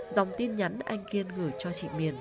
dòng tin nhắn anh kiên gửi cho chị miền